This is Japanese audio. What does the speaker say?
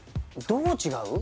どう違う？